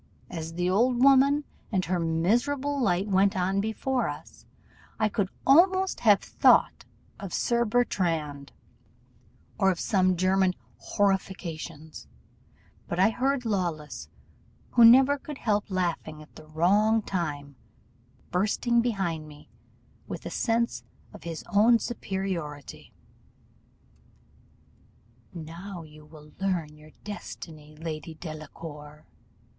As the old woman and her miserable light went on before us, I could almost have thought of Sir Bertrand, or of some German horrifications; but I heard Lawless, who never could help laughing at the wrong time, bursting behind me, with a sense of his own superiority. "'Now you will learn your destiny, Lady Delacour!